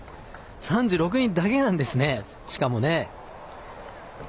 ３６人だけなんですね、しかもね。